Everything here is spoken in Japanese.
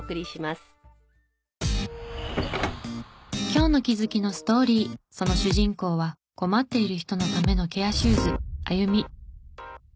今日の気づきのストーリーその主人公は困っている人のための。